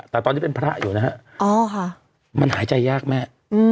แต่ตอนที่เป็นพระอยู่นะฮะอ๋อค่ะมันหายใจยากแม่อืม